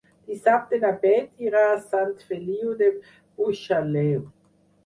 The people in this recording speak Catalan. Dissabte na Bet irà a Sant Feliu de Buixalleu.